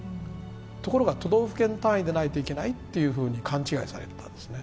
ところが、都道府県単位でないといけないと勘違いされていたんですね。